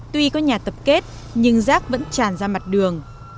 tuy có nhà tập kết nhưng rác vẫn tràn ra mặt đường